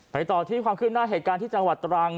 ต่อที่ความขึ้นหน้าเหตุการณ์ที่จังหวัดตรัง